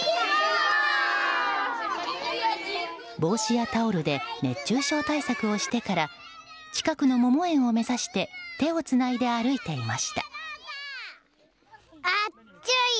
帽子やタオルで熱中症対策をしてから近くの桃園を目指して手をつないで歩いていました。